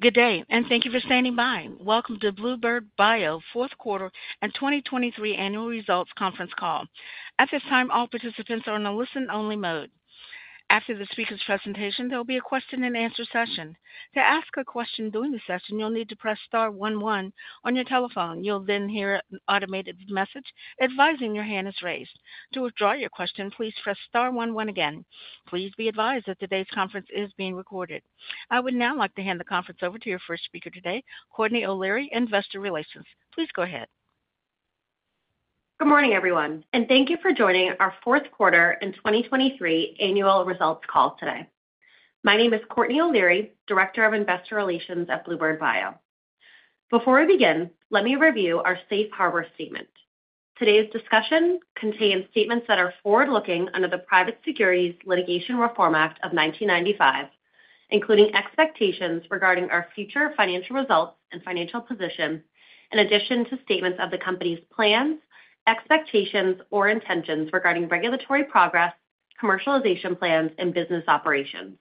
Good day, and thank you for standing by. Welcome to bluebird bio fourth quarter and 2023 annual results conference call. At this time, all participants are in a listen-only mode. After the speaker's presentation, there will be a question-and-answer session. To ask a question during the session, you'll need to press star 11 on your telephone. You'll then hear an automated message advising your hand is raised. To withdraw your question, please press star 11 again. Please be advised that today's conference is being recorded. I would now like to hand the conference over to your first speaker today, Courtney O'Leary, Investor Relations. Please go ahead. Good morning, everyone, and thank you for joining our Fourth Quarter and 2023 Annual Results Call today. My name is Courtney O'Leary, Director of Investor Relations at bluebird bio. Before we begin, let me review our Safe Harbor Statement. Today's discussion contains statements that are forward-looking under the Private Securities Litigation Reform Act of 1995, including expectations regarding our future financial results and financial position, in addition to statements of the company's plans, expectations, or intentions regarding regulatory progress, commercialization plans, and business operations.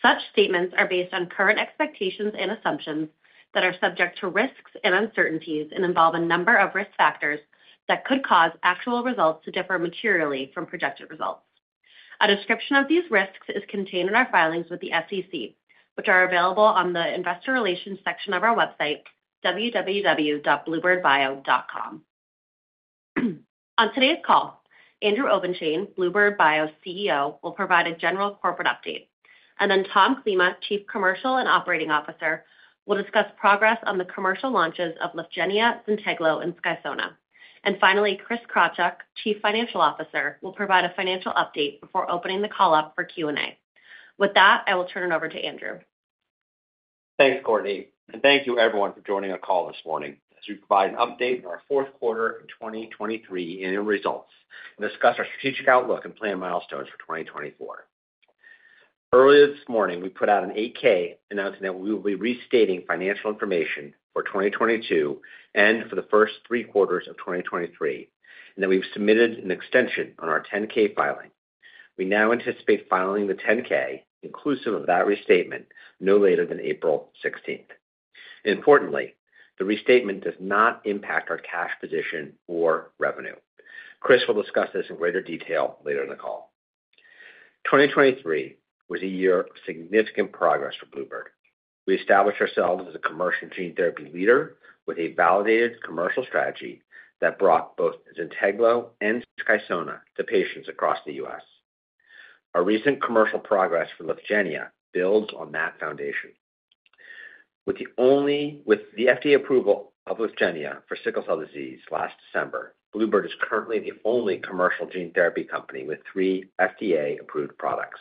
Such statements are based on current expectations and assumptions that are subject to risks and uncertainties and involve a number of risk factors that could cause actual results to differ materially from projected results. A description of these risks is contained in our filings with the SEC, which are available on the Investor Relations section of our website, www.bluebirdbio.com. On today's call, Andrew Obenshain, bluebird bio CEO, will provide a general corporate update, and then Tom Klima, Chief Commercial and Operating Officer, will discuss progress on the commercial launches of Lyfgenia, Zynteglo, and Skysona. Finally, Chris Krawtschuk, Chief Financial Officer, will provide a financial update before opening the call-up for Q&A. With that, I will turn it over to Andrew. Thanks, Courtney, and thank you, everyone, for joining our call this morning as we provide an update on our fourth quarter and 2023 annual results and discuss our strategic outlook and planned milestones for 2024. Earlier this morning, we put out an 8-K announcing that we will be restating financial information for 2022 and for the first three quarters of 2023, and that we've submitted an extension on our 10-K filing. We now anticipate filing the 10-K inclusive of that restatement no later than April 16th. Importantly, the restatement does not impact our cash position or revenue. Chris will discuss this in greater detail later in the call. 2023 was a year of significant progress for bluebird bio. We established ourselves as a commercial gene therapy leader with a validated commercial strategy that brought both Zynteglo and Skysona to patients across the U.S. Our recent commercial progress for Lyfgenia builds on that foundation. With the FDA approval of Lyfgenia for sickle cell disease last December, bluebird is currently the only commercial gene therapy company with three FDA-approved products.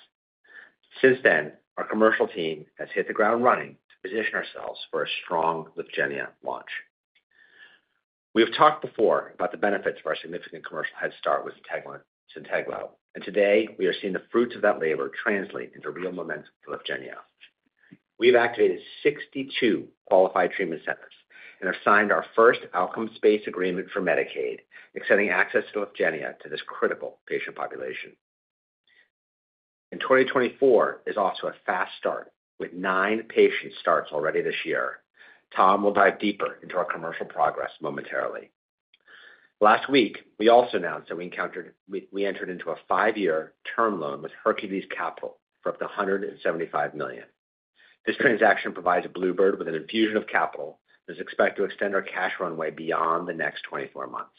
Since then, our commercial team has hit the ground running to position ourselves for a strong Lyfgenia launch. We have talked before about the benefits of our significant commercial head start with Zynteglo, and today we are seeing the fruits of that labor translate into real momentum for Lyfgenia. We've activated 62 qualified treatment centers and have signed our first outcomes-based agreement for Medicaid extending access to Lyfgenia to this critical patient population. 2024 is off to a fast start with nine patient starts already this year. Tom will dive deeper into our commercial progress momentarily. Last week, we also announced that we entered into a five-year term loan with Hercules Capital for up to $175 million. This transaction provides bluebird bio with an infusion of capital that is expected to extend our cash runway beyond the next 24 months.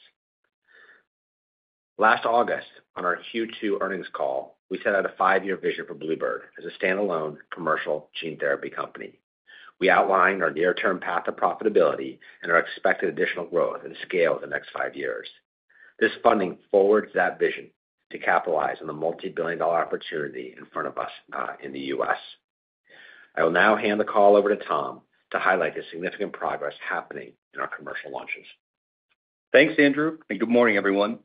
Last August, on our Q2 earnings call, we set out a five-year vision for bluebird bio as a standalone commercial gene therapy company. We outlined our near-term path of profitability and our expected additional growth and scale over the next five years. This funding forwards that vision to capitalize on the multi-billion dollar opportunity in front of us in the U.S. I will now hand the call over to Tom to highlight the significant progress happening in our commercial launches. Thanks, Andrew, and good morning, everyone.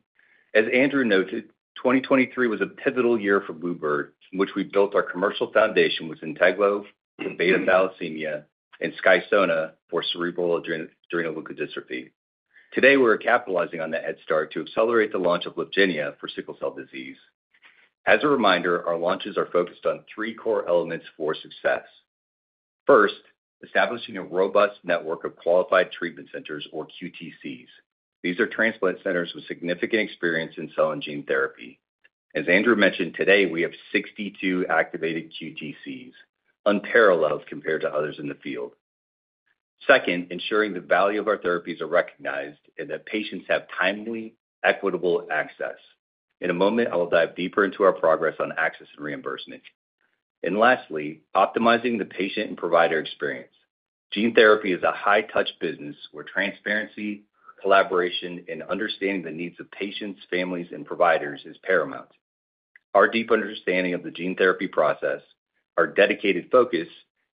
As Andrew noted, 2023 was a pivotal year for bluebird bio, in which we built our commercial foundation with Zynteglo for beta thalassemia and Skysona for cerebral adrenoleukodystrophy. Today, we're capitalizing on that head start to accelerate the launch of Lyfgenia for sickle cell disease. As a reminder, our launches are focused on three core elements for success. First, establishing a robust network of qualified treatment centers, or QTCs. These are transplant centers with significant experience in cell and gene therapy. As Andrew mentioned, today we have 62 activated QTCs, unparalleled compared to others in the field. Second, ensuring the value of our therapies is recognized and that patients have timely, equitable access. In a moment, I will dive deeper into our progress on access and reimbursement. Lastly, optimizing the patient and provider experience. Gene therapy is a high-touch business where transparency, collaboration, and understanding the needs of patients, families, and providers is paramount. Our deep understanding of the gene therapy process, our dedicated focus,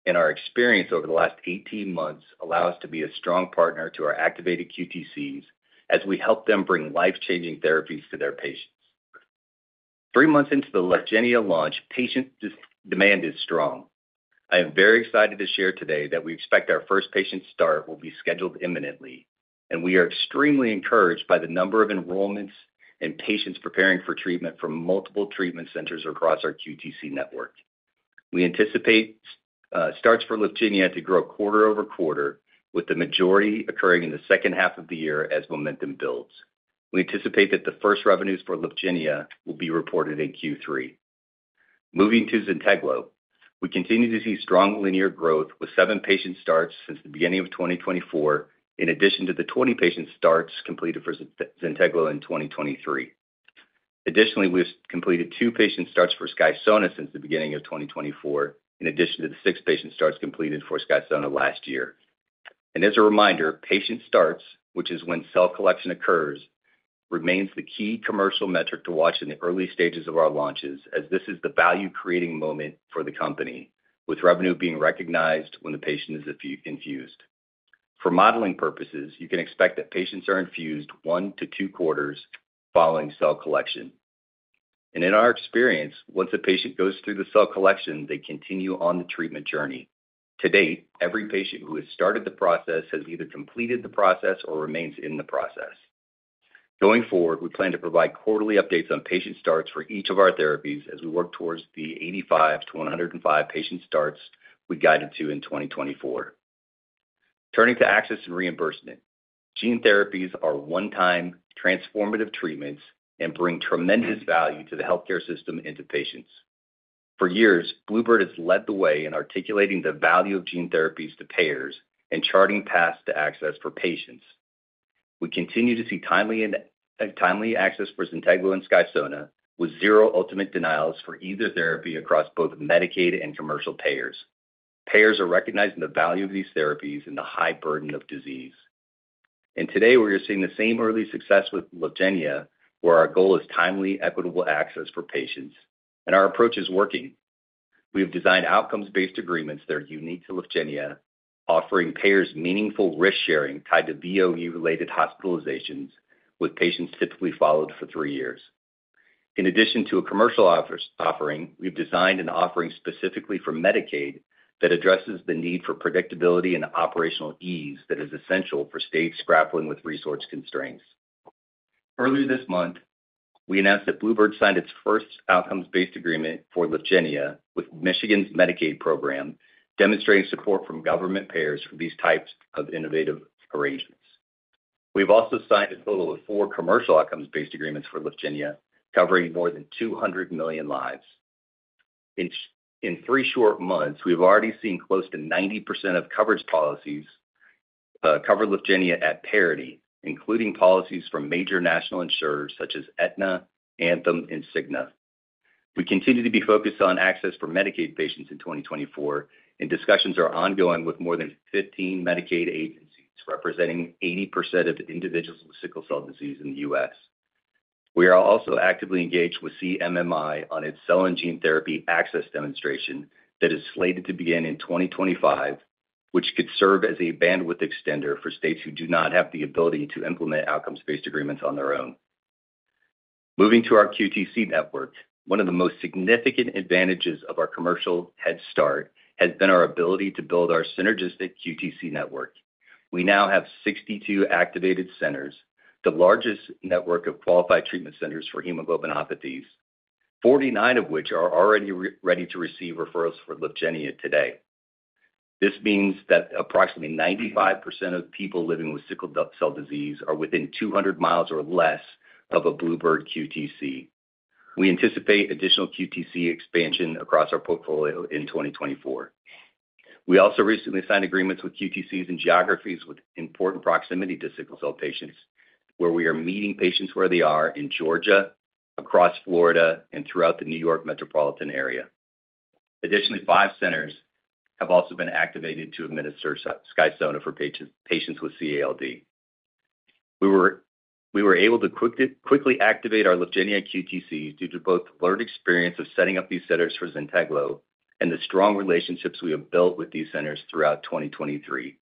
and our experience over the last 18 months allow us to be a strong partner to our activated QTCs as we help them bring life-changing therapies to their patients. Three months into the Lyfgenia launch, patient demand is strong. I am very excited to share today that we expect our first patient start will be scheduled imminently, and we are extremely encouraged by the number of enrollments and patients preparing for treatment from multiple treatment centers across our QTC network. We anticipate starts for Lyfgenia to grow quarter-over-quarter, with the majority occurring in the second half of the year as momentum builds. We anticipate that the first revenues for Lyfgenia will be reported in Q3. Moving to Zynteglo, we continue to see strong linear growth with 7 patient starts since the beginning of 2024, in addition to the 20 patient starts completed for Zynteglo in 2023. Additionally, we have completed 2 patient starts for Skysona since the beginning of 2024, in addition to the 6 patient starts completed for Skysona last year. As a reminder, patient starts, which is when cell collection occurs, remains the key commercial metric to watch in the early stages of our launches, as this is the value-creating moment for the company, with revenue being recognized when the patient is infused. For modeling purposes, you can expect that patients are infused 1-2 quarters following cell collection. In our experience, once a patient goes through the cell collection, they continue on the treatment journey. To date, every patient who has started the process has either completed the process or remains in the process. Going forward, we plan to provide quarterly updates on patient starts for each of our therapies as we work towards the 85-105 patient starts we guided to in 2024. Turning to access and reimbursement, gene therapies are one-time, transformative treatments and bring tremendous value to the healthcare system and to patients. For years, bluebird has led the way in articulating the value of gene therapies to payers and charting paths to access for patients. We continue to see timely access for Zynteglo and Skysona with zero ultimate denials for either therapy across both Medicaid and commercial payers. Payers are recognizing the value of these therapies and the high burden of disease. Today, we are seeing the same early success with Lyfgenia, where our goal is timely, equitable access for patients, and our approach is working. We have designed outcomes-based agreements that are unique to Lyfgenia, offering payers meaningful risk-sharing tied to VOE-related hospitalizations, with patients typically followed for three years. In addition to a commercial offering, we've designed an offering specifically for Medicaid that addresses the need for predictability and operational ease that is essential for states grappling with resource constraints. Earlier this month, we announced that bluebird bio signed its first outcomes-based agreement for Lyfgenia with Michigan's Medicaid program, demonstrating support from government payers for these types of innovative arrangements. We've also signed a total of four commercial outcomes-based agreements for Lyfgenia, covering more than 200 million lives. In three short months, we've already seen close to 90% of coverage policies cover Lyfgenia at parity, including policies from major national insurers such as Aetna, Anthem, and Cigna. We continue to be focused on access for Medicaid patients in 2024, and discussions are ongoing with more than 15 Medicaid agencies representing 80% of individuals with sickle cell disease in the U.S. We are also actively engaged with CMMI on its cell and gene therapy access demonstration that is slated to begin in 2025, which could serve as a bandwidth extender for states who do not have the ability to implement outcomes-based agreements on their own. Moving to our QTC network, one of the most significant advantages of our commercial head start has been our ability to build our synergistic QTC network. We now have 62 activated centers, the largest network of qualified treatment centers for hemoglobinopathies, 49 of which are already ready to receive referrals for Lyfgenia today. This means that approximately 95% of people living with sickle cell disease are within 200 mi or less of a bluebird QTC. We anticipate additional QTC expansion across our portfolio in 2024. We also recently signed agreements with QTCs in geographies with important proximity to sickle cell patients, where we are meeting patients where they are in Georgia, across Florida, and throughout the New York metropolitan area. Additionally, five centers have also been activated to administer Skysona for patients with CALD. We were able to quickly activate our Lyfgenia QTCs due to both the learned experience of setting up these centers for Zynteglo and the strong relationships we have built with these centers throughout 2023.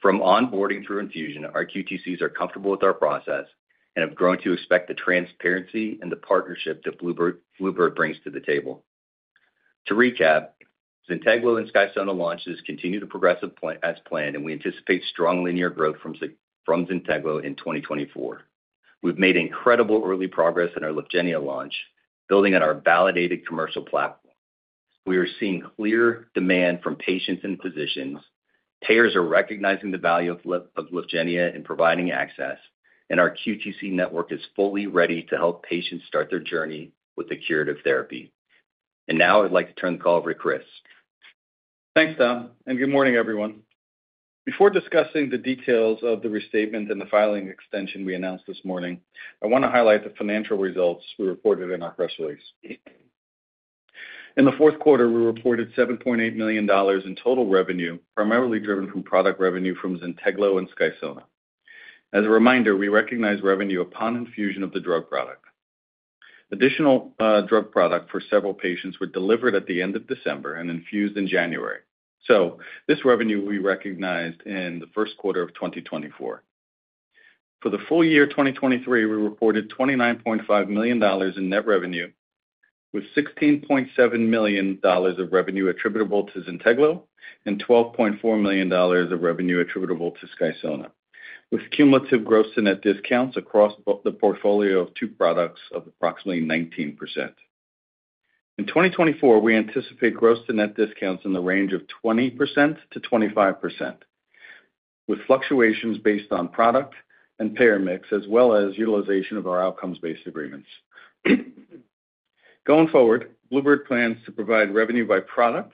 From onboarding through infusion, our QTCs are comfortable with our process and have grown to expect the transparency and the partnership that bluebird brings to the table. To recap, Zynteglo and Skysona launches continue to progress as planned, and we anticipate strong linear growth from Zynteglo in 2024. We've made incredible early progress in our Lyfgenia launch, building on our validated commercial platform. We are seeing clear demand from patients and physicians. Payers are recognizing the value of Lyfgenia and providing access, and our QTC network is fully ready to help patients start their journey with the curative therapy. And now I'd like to turn the call over to Chris. Thanks, Tom, and good morning, everyone. Before discussing the details of the restatement and the filing extension we announced this morning, I want to highlight the financial results we reported in our press release. In the fourth quarter, we reported $7.8 million in total revenue, primarily driven from product revenue from Zynteglo and Skysona. As a reminder, we recognize revenue upon infusion of the drug product. Additional drug product for several patients were delivered at the end of December and infused in January. So this revenue we recognized in the first quarter of 2024. For the full year 2023, we reported $29.5 million in net revenue, with $16.7 million of revenue attributable to Zynteglo and $12.4 million of revenue attributable to Skysona, with cumulative gross-to-net discounts across the portfolio of two products of approximately 19%. In 2024, we anticipate gross-to-net discounts in the range of 20%-25%, with fluctuations based on product and payer mix, as well as utilization of our outcomes-based agreements. Going forward, bluebird plans to provide revenue by product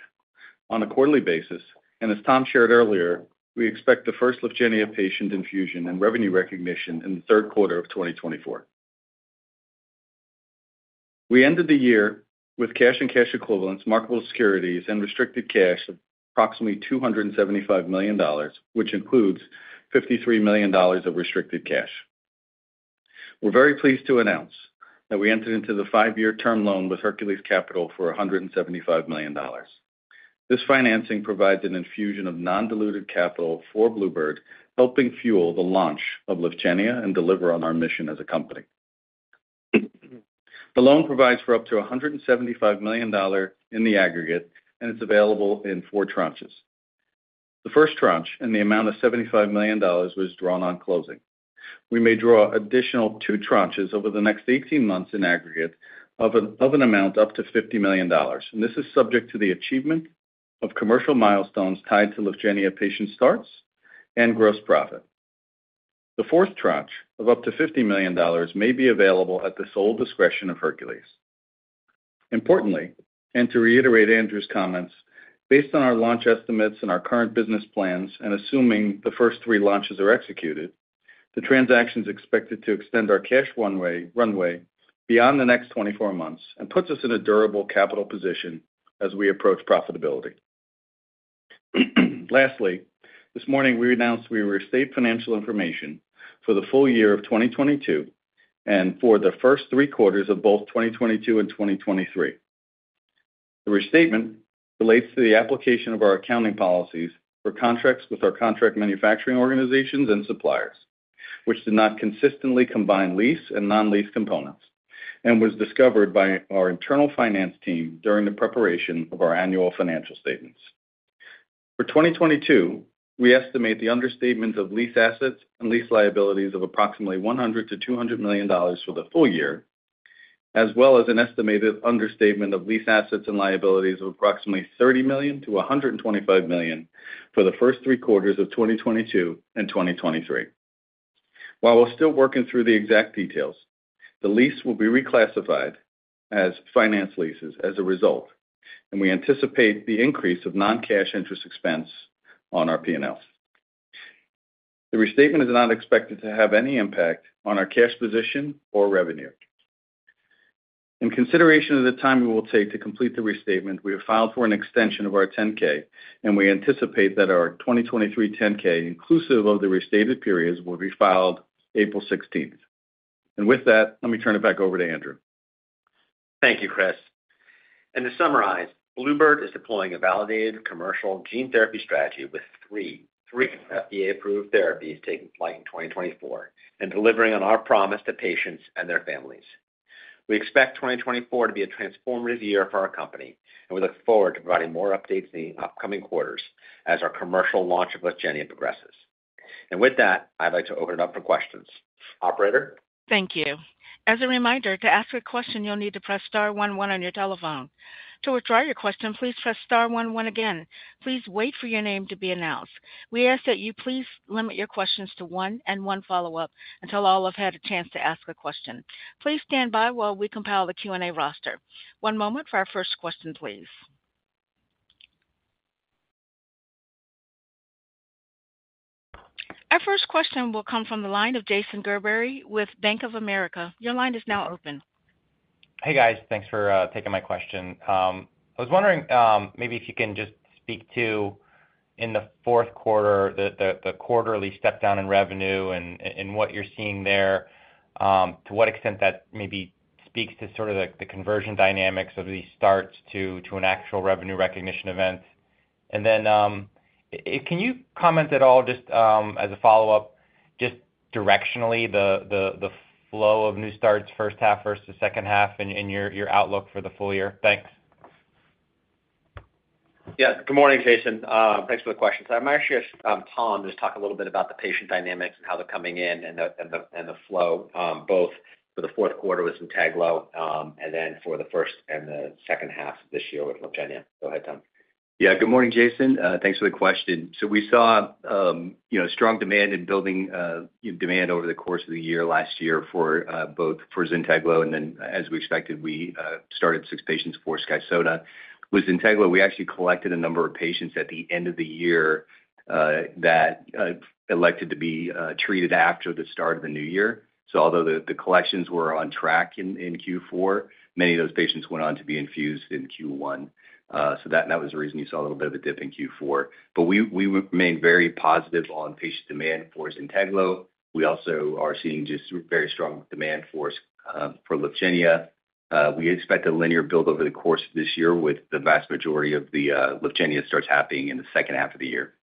on a quarterly basis, and as Tom shared earlier, we expect the first Lyfgenia patient infusion and revenue recognition in the third quarter of 2024. We ended the year with cash and cash equivalents, marketable securities, and restricted cash of approximately $275 million, which includes $53 million of restricted cash. We're very pleased to announce that we entered into the five-year term loan with Hercules Capital for $175 million. This financing provides an infusion of non-dilutive capital for bluebird, helping fuel the launch of Lyfgenia and deliver on our mission as a company. The loan provides for up to $175 million in the aggregate, and it's available in four tranches. The first tranche and the amount of $75 million was drawn on closing. We may draw additional two tranches over the next 18 months in aggregate of an amount up to $50 million, and this is subject to the achievement of commercial milestones tied to Lyfgenia patient starts and gross profit. The fourth tranche of up to $50 million may be available at the sole discretion of Hercules. Importantly, and to reiterate Andrew's comments, based on our launch estimates and our current business plans, and assuming the first three launches are executed, the transaction is expected to extend our cash runway beyond the next 24 months and puts us in a durable capital position as we approach profitability. Lastly, this morning, we announced, we restate financial information for the full year of 2022 and for the first three quarters of both 2022 and 2023. The restatement relates to the application of our accounting policies for contracts with our contract manufacturing organizations and suppliers, which did not consistently combine lease and non-lease components, and was discovered by our internal finance team during the preparation of our annual financial statements. For 2022, we estimate the understatement of lease assets and lease liabilities of approximately $100-$200 million for the full year, as well as an estimated understatement of lease assets and liabilities of approximately $30-$125 million for the first three quarters of 2022 and 2023. While we're still working through the exact details, the lease will be reclassified as finance leases as a result, and we anticipate the increase of non-cash interest expense on our P&L. The restatement is not expected to have any impact on our cash position or revenue. In consideration of the time it will take to complete the restatement, we have filed for an extension of our 10-K, and we anticipate that our 2023 10-K, inclusive of the restated periods, will be filed April 16th. With that, let me turn it back over to Andrew. Thank you, Chris. And to summarize, bluebird is deploying a validated commercial gene therapy strategy with three FDA-approved therapies taking flight in 2024 and delivering on our promise to patients and their families. We expect 2024 to be a transformative year for our company, and we look forward to providing more updates in the upcoming quarters as our commercial launch of Lyfgenia progresses. And with that, I'd like to open it up for questions. Operator? Thank you. As a reminder, to ask a question, you'll need to press star 11 on your telephone. To withdraw your question, please press star 11 again. Please wait for your name to be announced. We ask that you please limit your questions to one and one follow-up until all have had a chance to ask a question. Please stand by while we compile the Q&A roster. One moment for our first question, please. Our first question will come from the line of Jason Gerberry with Bank of America. Your line is now open. Hey, guys. Thanks for taking my question. I was wondering maybe if you can just speak to, in the fourth quarter, the quarterly stepdown in revenue and what you're seeing there, to what extent that maybe speaks to sort of the conversion dynamics of these starts to an actual revenue recognition event. And then can you comment at all, just as a follow-up, just directionally, the flow of new starts, first half versus second half, and your outlook for the full year? Thanks. Yeah. Good morning, Jason. Thanks for the question. So I'm actually going to ask Tom to just talk a little bit about the patient dynamics and how they're coming in and the flow, both for the fourth quarter with Zynteglo and then for the first and the second half of this year with Lyfgenia. Go ahead, Tom. Yeah. Good morning, Jason. Thanks for the question. So we saw strong demand and building demand over the course of the year last year both for Zynteglo, and then as we expected, we started six patients for Skysona. With Zynteglo, we actually collected a number of patients at the end of the year that elected to be treated after the start of the new year. So although the collections were on track in Q4, many of those patients went on to be infused in Q1. So that was the reason you saw a little bit of a dip in Q4. But we remain very positive on patient demand for Zynteglo. We also are seeing just very strong demand for Lyfgenia. We expect a linear build over the course of this year with the vast majority of the Lyfgenia starts happening in the second half of the year.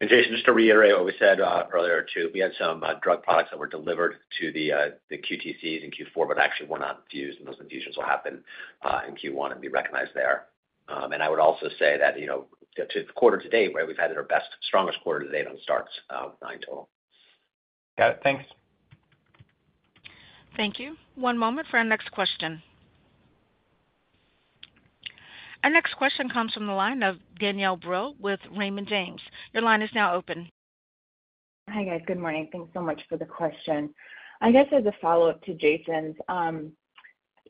Jason, just to reiterate what we said earlier too, we had some drug products that were delivered to the QTCs in Q4 but actually were not infused, and those infusions will happen in Q1 and be recognized there. I would also say that to quarter to date, we've had our best, strongest quarter to date on starts, nine total. Got it. Thanks. Thank you. One moment for our next question. Our next question comes from the line of Danielle Brill with Raymond James. Your line is now open. Hi, guys. Good morning. Thanks so much for the question. I guess as a follow-up to Jason's,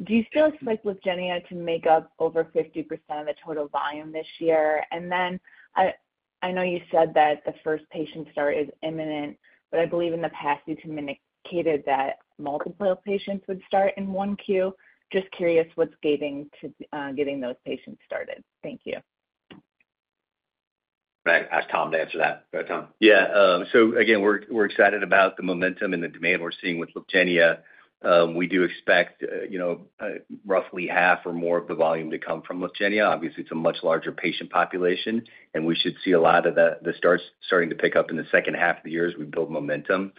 do you still expect Lyfgenia to make up over 50% of the total volume this year? And then I know you said that the first patient start is imminent, but I believe in the past you communicated that multiple patients would start in one queue. Just curious what's getting those patients started. Thank you. Can I ask Tom to answer that? Go ahead, Tom. Yeah. So again, we're excited about the momentum and the demand we're seeing with Lyfgenia. We do expect roughly half or more of the volume to come from Lyfgenia. Obviously, it's a much larger patient population, and we should see a lot of the starts starting to pick up in the second half of the year as we build momentum.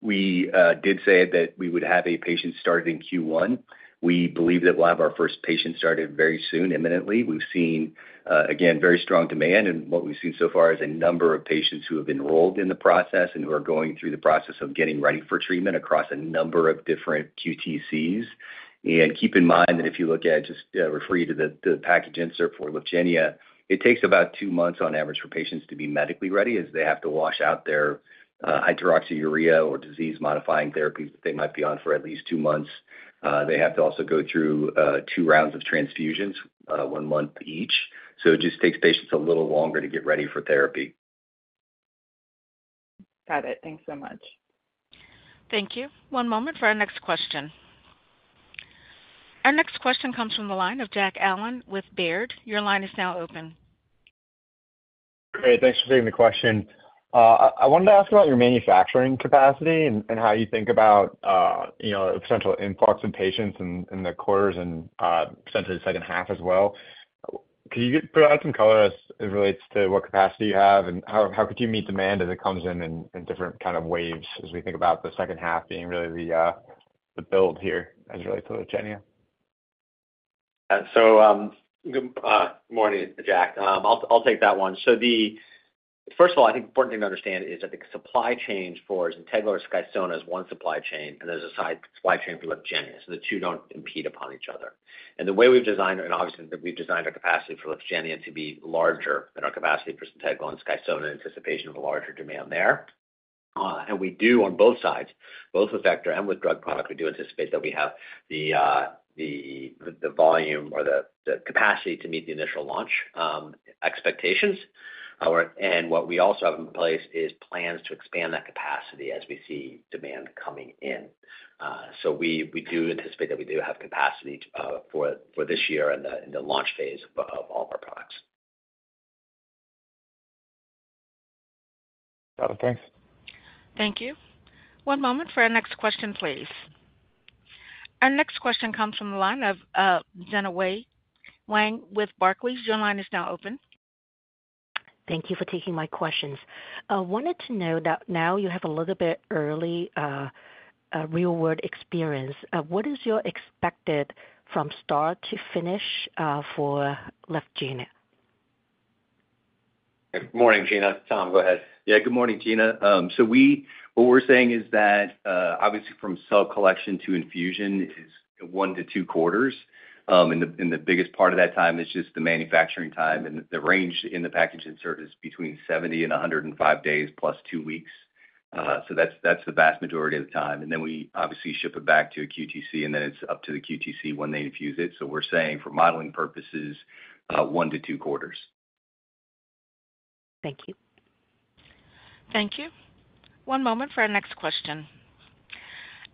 We did say that we would have a patient started in Q1. We believe that we'll have our first patient started very soon, imminently. We've seen, again, very strong demand, and what we've seen so far is a number of patients who have enrolled in the process and who are going through the process of getting ready for treatment across a number of different QTCs. Keep in mind that if you look, I just refer you to the package insert for Lyfgenia. It takes about two months on average for patients to be medically ready as they have to wash out their Hydroxyurea or disease-modifying therapies that they might be on for at least two months. They have to also go through two rounds of transfusions, one month each. So it just takes patients a little longer to get ready for therapy. Got it. Thanks so much. Thank you. One moment for our next question. Our next question comes from the line of Jack Allen with Baird. Your line is now open. Hey. Thanks for taking the question. I wanted to ask about your manufacturing capacity and how you think about potential influx of patients in the quarters and potentially the second half as well. Could you provide some color as it relates to what capacity you have, and how could you meet demand as it comes in in different kind of waves as we think about the second half being really the build here as it relates to Lyfgenia? So good morning, Jack. I'll take that one. So first of all, I think the important thing to understand is that the supply chain for Zynteglo or Skysona is one supply chain, and there's a side supply chain for Lyfgenia. So the two don't impede upon each other. And the way we've designed it, and obviously, we've designed our capacity for Lyfgenia to be larger than our capacity for Zynteglo and Skysona in anticipation of a larger demand there. And we do, on both sides, both with vector and with drug product, we do anticipate that we have the volume or the capacity to meet the initial launch expectations. And what we also have in place is plans to expand that capacity as we see demand coming in. So we do anticipate that we do have capacity for this year in the launch phase of all of our products. Got it. Thanks. Thank you. One moment for our next question, please. Our next question comes from the line of Gena Wang with Barclays. Your line is now open. Thank you for taking my questions. I wanted to know that now you have a little bit early real-world experience. What is your expected from start to finish for Lyfgenia? Good morning, Gena. Tom, go ahead. Yeah. Good morning, Gena. So what we're saying is that, obviously, from cell collection to infusion is one to two quarters. And the biggest part of that time is just the manufacturing time, and the range in the package insert is between 70-105 days plus two weeks. So that's the vast majority of the time. And then we obviously ship it back to a QTC, and then it's up to the QTC when they infuse it. So we're saying, for modeling purposes, one-two quarters. Thank you. Thank you. One moment for our next question.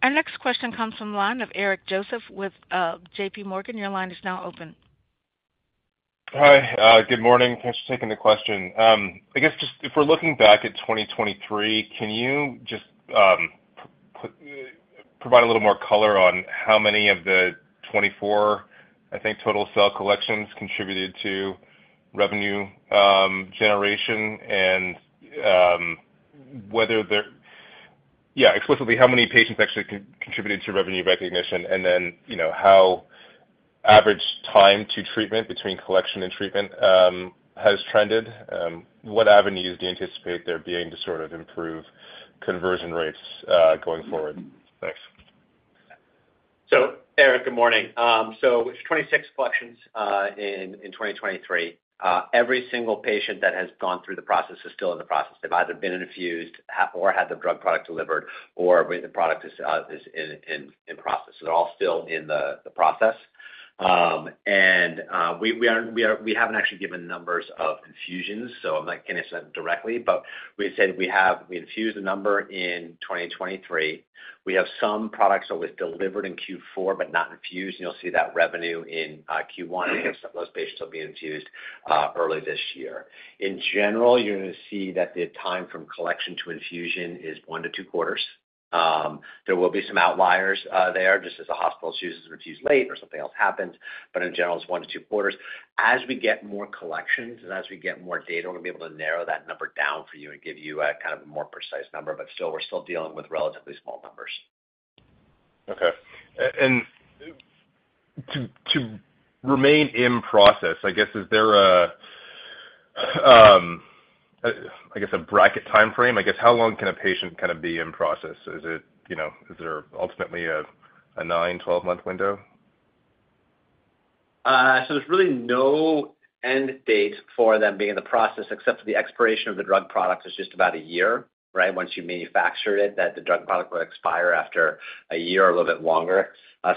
Our next question comes from the line of Eric Joseph with JPMorgan. Your line is now open. Hi. Good morning. Thanks for taking the question. I guess just if we're looking back at 2023, can you just provide a little more color on how many of the 24, I think, total cell collections contributed to revenue generation and whether they're explicitly, how many patients actually contributed to revenue recognition and then how average time to treatment between collection and treatment has trended? What avenues do you anticipate there being to sort of improve conversion rates going forward? Thanks. So, Eric, good morning. So with 26 collections in 2023, every single patient that has gone through the process is still in the process. They've either been infused or had the drug product delivered, or the product is in process. So they're all still in the process. And we haven't actually given numbers of infusions, so I can't answer that directly. But we said we infused a number in 2023. We have some products that were delivered in Q4 but not infused, and you'll see that revenue in Q1. We have some of those patients that will be infused early this year. In general, you're going to see that the time from collection to infusion is one to two quarters. There will be some outliers there just as a hospital chooses to infuse late or something else happens, but in general, it's one to two quarters. As we get more collections and as we get more data, we're going to be able to narrow that number down for you and give you kind of a more precise number. But still, we're still dealing with relatively small numbers. Okay. And to remain in process, I guess, is there a, I guess, a bracket time frame? I guess how long can a patient kind of be in process? Is there ultimately a 9-12-month window? So there's really no end date for them being in the process except for the expiration of the drug product, is just about a year, right? Once you manufactured it, that the drug product will expire after a year or a little bit longer.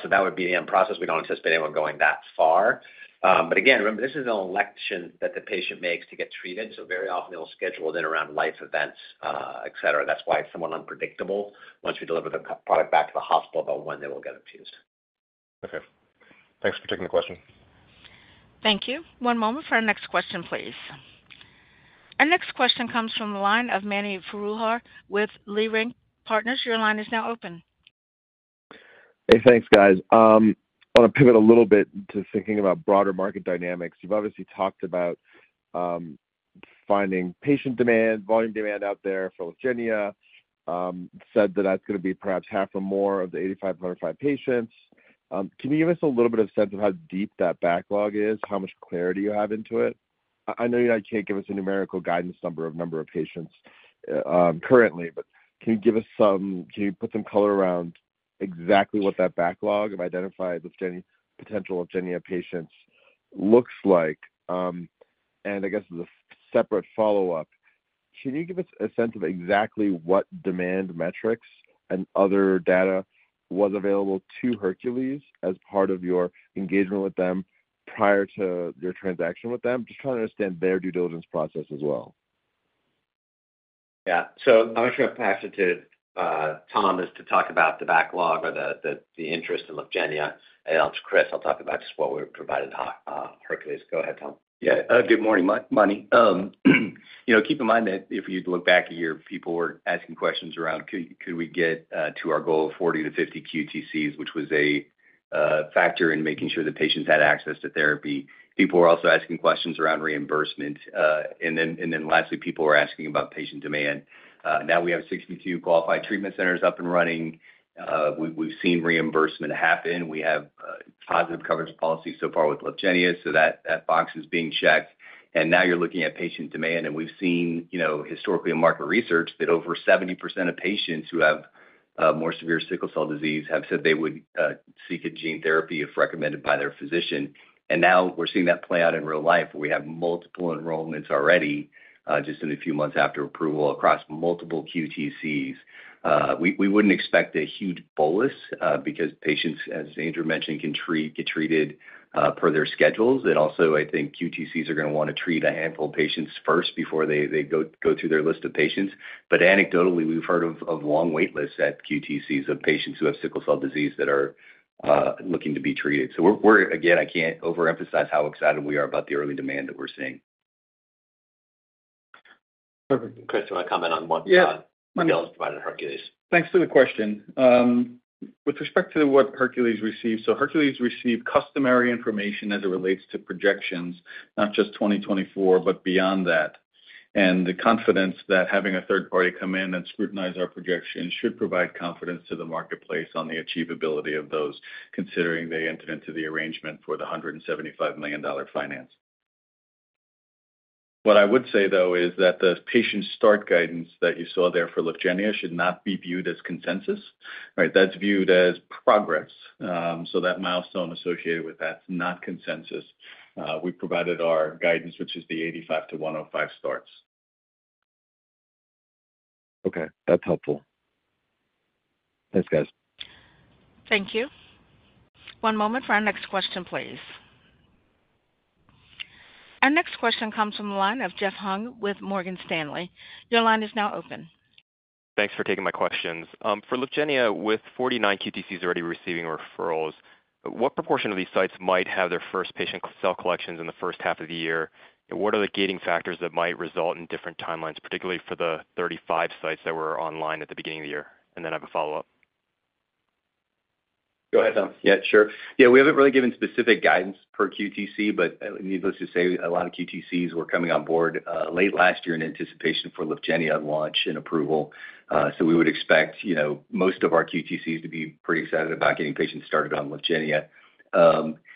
So that would be the end process. We don't anticipate anyone going that far. But again, remember, this is an election that the patient makes to get treated. So very often, it'll schedule then around life events, etc. That's why it's somewhat unpredictable once we deliver the product back to the hospital about when they will get infused. Okay. Thanks for taking the question. Thank you. One moment for our next question, please. Our next question comes from the line of Mani Foroohar with Leerink Partners. Your line is now open. Hey. Thanks, guys. I want to pivot a little bit to thinking about broader market dynamics. You've obviously talked about finding patient demand, volume demand out there for Lyfgenia, said that that's going to be perhaps half or more of the 8,505 patients. Can you give us a little bit of sense of how deep that backlog is, how much clarity you have into it? I know you can't give us a numerical guidance number of patients currently, but can you put some color around exactly what that backlog of identified potential Lyfgenia patients looks like? And I guess as a separate follow-up, can you give us a sense of exactly what demand metrics and other data was available to Hercules as part of your engagement with them prior to your transaction with them? Just trying to understand their due diligence process as well. Yeah. So I'm actually going to pass it to Tom to talk about the backlog or the interest in Lyfgenia. And I'll let Chris. I'll talk about just what we're providing to Hercules. Go ahead, Tom. Yeah. Good morning, Mani. Keep in mind that if you look back a year, people were asking questions around, "Could we get to our goal of 40-50 QTCs," which was a factor in making sure that patients had access to therapy. People were also asking questions around reimbursement. And then lastly, people were asking about patient demand. Now we have 62 qualified treatment centers up and running. We've seen reimbursement happen. We have positive coverage policies so far with Lyfgenia, so that box is being checked. And now you're looking at patient demand. And we've seen historically in market research that over 70% of patients who have more severe sickle cell disease have said they would seek a gene therapy if recommended by their physician. And now we're seeing that play out in real life where we have multiple enrollments already just in a few months after approval across multiple QTCs. We wouldn't expect a huge bolus because patients, as Andrew mentioned, can get treated per their schedules. And also, I think QTCs are going to want to treat a handful of patients first before they go through their list of patients. But anecdotally, we've heard of long wait lists at QTCs of patients who have sickle cell disease that are looking to be treated. So again, I can't overemphasize how excited we are about the early demand that we're seeing. Perfect. Chris, do you want to comment on what the deal is provided to Hercules? Yeah. Thanks for the question. With respect to what Hercules received, so Hercules received customary information as it relates to projections, not just 2024 but beyond that, and the confidence that having a third party come in and scrutinize our projections should provide confidence to the marketplace on the achievability of those considering they entered into the arrangement for the $175 million finance. What I would say, though, is that the patient start guidance that you saw there for Lyfgenia should not be viewed as consensus, right? That's viewed as progress. So that milestone associated with that's not consensus. We provided our guidance, which is the 85-105 starts. Okay. That's helpful. Thanks, guys. Thank you. One moment for our next question, please. Our next question comes from the line of Jeff Hung with Morgan Stanley. Your line is now open. Thanks for taking my questions. For Lyfgenia, with 49 QTCs already receiving referrals, what proportion of these sites might have their first patient cell collections in the first half of the year? What are the gating factors that might result in different timelines, particularly for the 35 sites that were online at the beginning of the year? And then I have a follow-up. Go ahead, Tom. Yeah. Sure. Yeah. We haven't really given specific guidance per QTC, but needless to say, a lot of QTCs were coming on board late last year in anticipation for Lyfgenia launch and approval. So we would expect most of our QTCs to be pretty excited about getting patients started on Lyfgenia.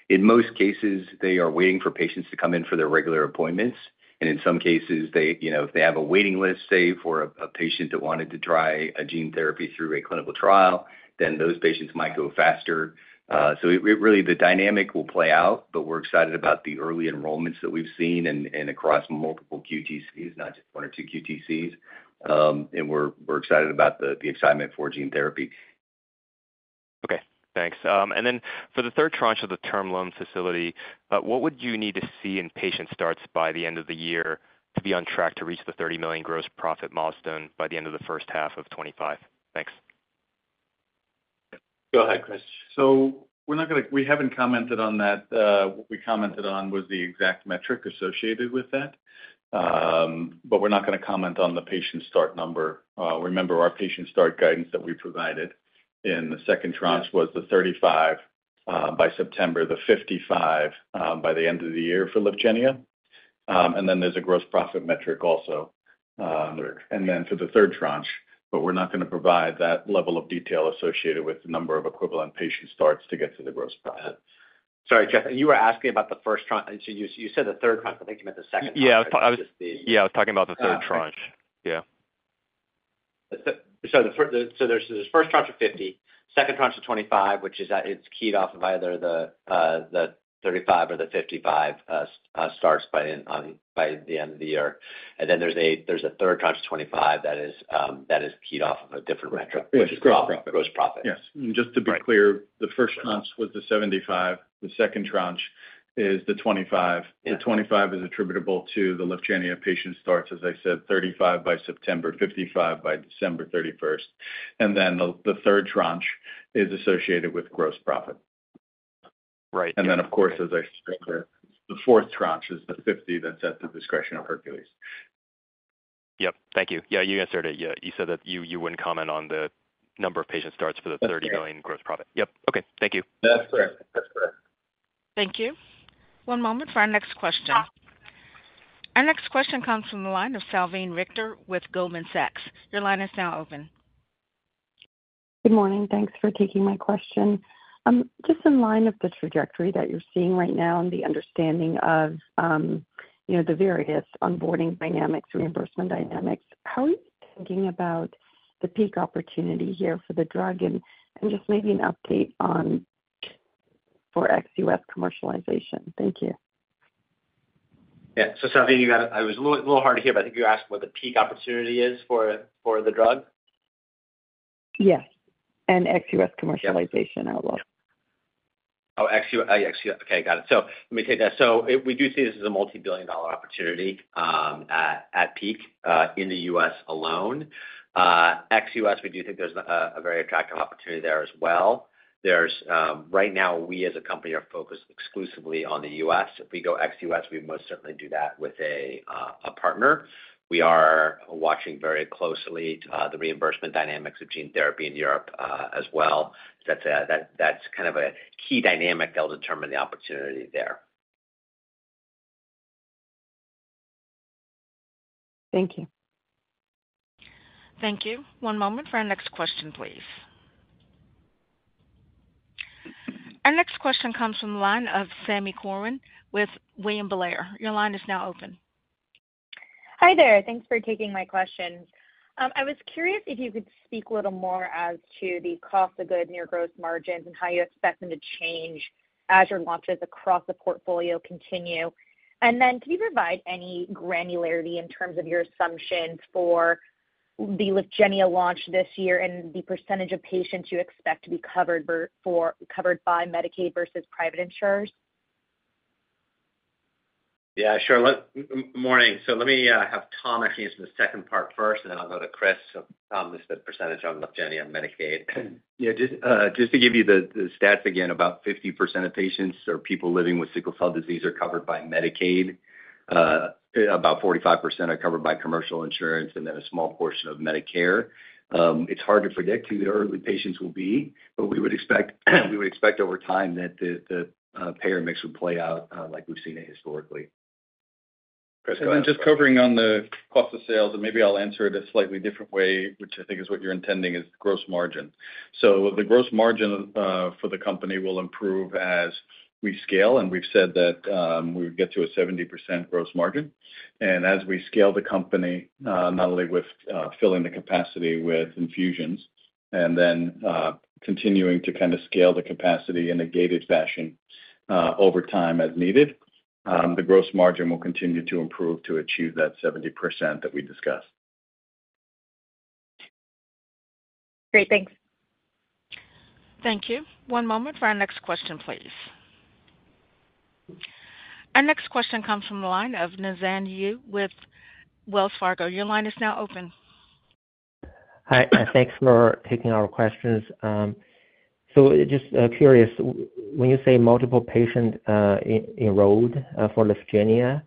In most cases, they are waiting for patients to come in for their regular appointments. And in some cases, if they have a waiting list, say, for a patient that wanted to try a gene therapy through a clinical trial, then those patients might go faster. So really, the dynamic will play out, but we're excited about the early enrollments that we've seen across multiple QTCs, not just one or two QTCs. And we're excited about the excitement for gene therapy. Okay. Thanks. And then for the third tranche of the term loan facility, what would you need to see in patient starts by the end of the year to be on track to reach the $30 million gross profit milestone by the end of the first half of 2025? Thanks. Go ahead, Chris. So we're not going to; we haven't commented on that. What we commented on was the exact metric associated with that, but we're not going to comment on the patient start number. Remember, our patient start guidance that we provided in the second tranche was the 35 by September, the 55 by the end of the year for Lyfgenia. And then there's a gross profit metric also for the third tranche, but we're not going to provide that level of detail associated with the number of equivalent patient starts to get to the gross profit. Sorry, Jeff. You were asking about the first, so you said the third tranche. I think you meant the second tranche. Yeah. Yeah. I was talking about the third tranche. Yeah. So there's first tranche of $50, second tranche of $25, which is keyed off of either the 35 or the 55 starts by the end of the year. Then there's a third tranche of $25 that is keyed off of a different metric, which is gross profit. Yes. And just to be clear, the first tranche was the 75. The second tranche is the 25. The 25 is attributable to the Lyfgenia patient starts, as I said, 35 by September, 55 by December 31st. And then the third tranche is associated with gross profit. And then, of course, as I said, the fourth tranche is the 50 that's at the discretion of Hercules. Yep. Thank you. Yeah. You answered it. Yeah. You said that you wouldn't comment on the number of patient starts for the $30 million gross profit. Yep. Okay. Thank you. That's correct. That's correct. Thank you. One moment for our next question. Our next question comes from the line of Salveen Richter with Goldman Sachs. Your line is now open. Good morning. Thanks for taking my question. Just in line of the trajectory that you're seeing right now and the understanding of the various onboarding dynamics, reimbursement dynamics, how are you thinking about the peak opportunity here for the drug and just maybe an update for ex-US commercialization? Thank you. Yeah. So, Salveen, I was a little hard to hear, but I think you asked what the peak opportunity is for the drug? Yes. ex-US commercialization outlook. Oh, ex-U.S. Okay. Got it. So let me take that. So we do see this as a multibillion-dollar opportunity at peak in the U.S. alone. Ex-U.S., we do think there's a very attractive opportunity there as well. Right now, we as a company are focused exclusively on the U.S. If we go ex-U.S., we most certainly do that with a partner. We are watching very closely the reimbursement dynamics of gene therapy in Europe as well. That's kind of a key dynamic that'll determine the opportunity there. Thank you. Thank you. One moment for our next question, please. Our next question comes from the line of Sami Corwin with William Blair. Your line is now open. Hi there. Thanks for taking my questions. I was curious if you could speak a little more as to the cost of goods and your gross margins and how you expect them to change as your launches across the portfolio continue. And then can you provide any granularity in terms of your assumptions for the Lyfgenia launch this year and the percentage of patients you expect to be covered by Medicaid versus private insurers? Yeah. Sure. Good morning. So let me have Tom actually answer the second part first, and then I'll go to Chris. Tom, this is the percentage on Lyfgenia Medicaid. Yeah. Just to give you the stats again, about 50% of patients or people living with sickle cell disease are covered by Medicaid. About 45% are covered by commercial insurance and then a small portion of Medicare. It's hard to predict who the early patients will be, but we would expect over time that the payer mix would play out like we've seen it historically. Chris, go ahead. Then, just covering on the cost of sales, and maybe I'll answer it a slightly different way, which I think is what you're intending, is gross margin. The gross margin for the company will improve as we scale. We've said that we would get to a 70% gross margin. As we scale the company, not only with filling the capacity with infusions and then continuing to kind of scale the capacity in a gated fashion over time as needed, the gross margin will continue to improve to achieve that 70% that we discussed. Great. Thanks. Thank you. One moment for our next question, please. Our next question comes from the line of Yanan Zhu with Wells Fargo. Your line is now open. Hi. Thanks for taking our questions. So just curious, when you say multiple patients enrolled for Lyfgenia,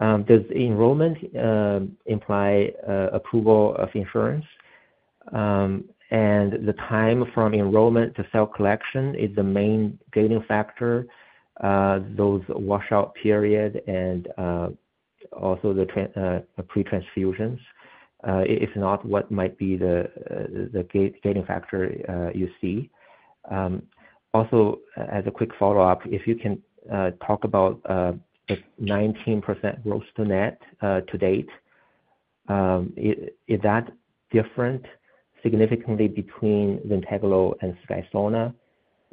does enrollment imply approval of insurance? And the time from enrollment to cell collection is the main gating factor, those washout periods, and also the pretransfusions. If not, what might be the gating factor you see? Also, as a quick follow-up, if you can talk about the 19% gross-to-net to date, is that different significantly between Zynteglo and Skysona?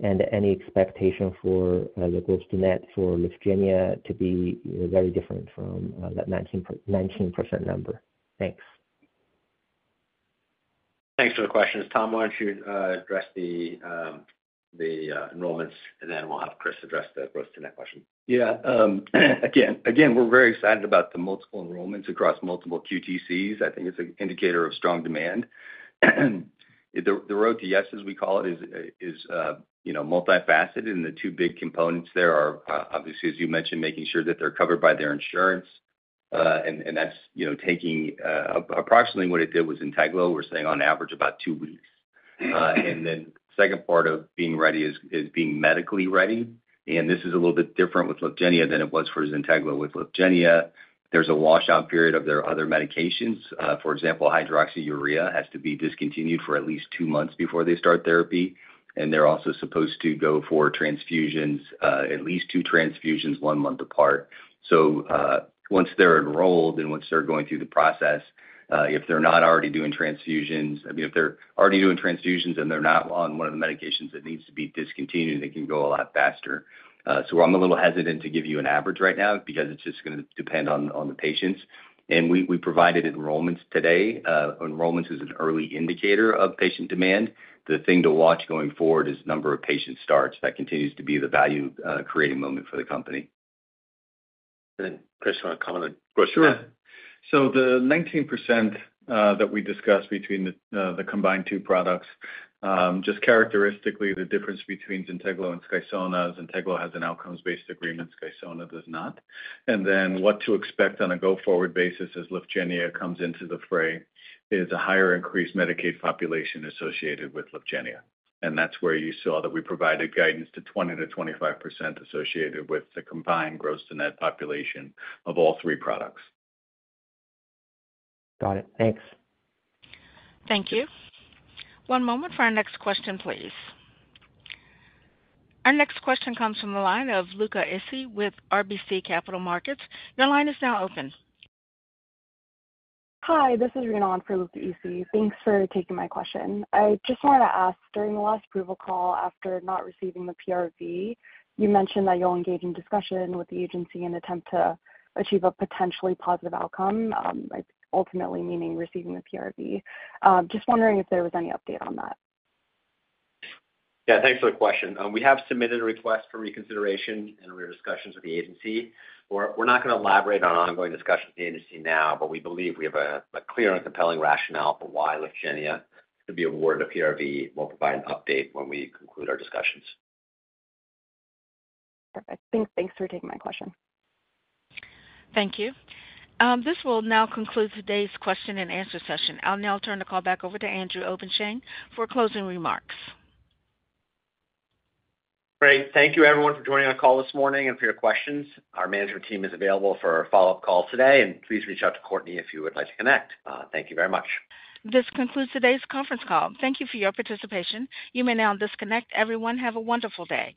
And any expectation for the gross-to-net for Lyfgenia to be very different from that 19% number? Thanks. Thanks for the questions. Tom, why don't you address the enrollments, and then we'll have Chris address the gross-to-net question. Yeah. Again, we're very excited about the multiple enrollments across multiple QTCs. I think it's an indicator of strong demand. The road to yes, as we call it, is multifaceted. The two big components there are, obviously, as you mentioned, making sure that they're covered by their insurance. That's taking approximately what it did with Zynteglo. We're saying on average about two weeks. The second part of being ready is being medically ready. This is a little bit different with Lyfgenia than it was for Zynteglo. With Lyfgenia, there's a washout period of their other medications. For example, Hydroxyurea has to be discontinued for at least two months before they start therapy. They're also supposed to go for transfusions, at least two transfusions, one month apart. So once they're enrolled and once they're going through the process, if they're not already doing transfusions I mean, if they're already doing transfusions and they're not on one of the medications that needs to be discontinued, it can go a lot faster. So I'm a little hesitant to give you an average right now because it's just going to depend on the patients. And we provided enrollments today. Enrollments is an early indicator of patient demand. The thing to watch going forward is number of patient starts. That continues to be the value-creating moment for the company. Chris, do you want to comment on? Sure. So the 19% that we discussed between the combined two products, just characteristically, the difference between Zynteglo and Skysona is Zynteglo has an outcomes-based agreement. Skysona does not. And then what to expect on a go-forward basis as Lyfgenia comes into the fray is a higher increased Medicaid population associated with Lyfgenia. And that's where you saw that we provided guidance to 20%-25% associated with the combined gross-to-net population of all three products. Got it. Thanks. Thank you. One moment for our next question, please. Our next question comes from the line of Luca Issi with RBC Capital Markets. Your line is now open. Hi. This is Renan for Luca Issi. Thanks for taking my question. I just wanted to ask, during the last approval call after not receiving the PRV, you mentioned that you'll engage in discussion with the agency in an attempt to achieve a potentially positive outcome, ultimately meaning receiving the PRV. Just wondering if there was any update on that. Yeah. Thanks for the question. We have submitted a request for reconsideration and rediscussions with the agency. We're not going to elaborate on ongoing discussions with the agency now, but we believe we have a clear and compelling rationale for why Lyfgenia should be awarded a PRV. We'll provide an update when we conclude our discussions. Perfect. Thanks for taking my question. Thank you. This will now conclude today's question and answer session. I'll now turn the call back over to Andrew Obenshain for closing remarks. Great. Thank you, everyone, for joining our call this morning and for your questions. Our management team is available for a follow-up call today. Please reach out to Courtney if you would like to connect. Thank you very much. This concludes today's conference call. Thank you for your participation. You may now disconnect. Everyone, have a wonderful day.